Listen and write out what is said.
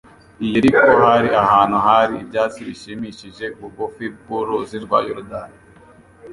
I Yeriko hari ahantu hari ibyatsi bishimishije, bugufi bw'uruzi rwa Yorodani,